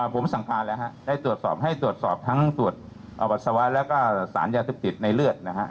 ผมสั่งการแล้วฮะได้ตรวจสอบให้ตรวจสอบทั้งตรวจอวัยวะแล้วก็สารยาเสพติดในเลือดนะฮะ